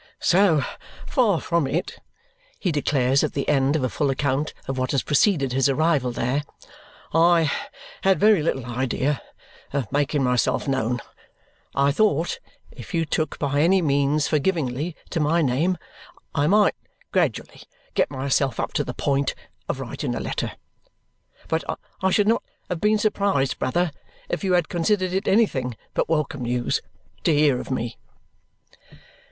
"So far from it," he declares at the end of a full account of what has preceded his arrival there, "I had very little idea of making myself known. I thought if you took by any means forgivingly to my name I might gradually get myself up to the point of writing a letter. But I should not have been surprised, brother, if you had considered it anything but welcome news to hear of me."